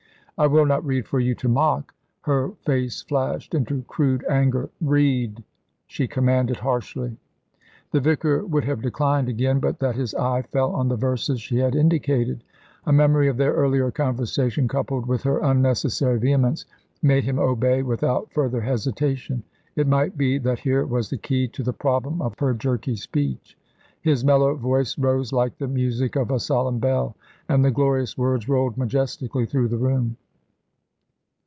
"I will not read for you to mock." Her face flashed into crude anger. "Read," she commanded harshly. The vicar would have declined again, but that his eye fell on the verses she had indicated. A memory of their earlier conversation, coupled with her unnecessary vehemence, made him obey without further hesitation. It might be that here was the key to the problem of her jerky speech. His mellow voice rose like the music of a solemn bell, and the glorious words rolled majestically through the room.